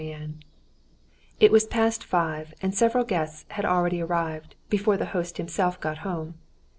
Chapter 9 It was past five, and several guests had already arrived, before the host himself got home.